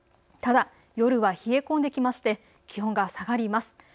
ただ、夜は冷え込んできまして気温が下がります。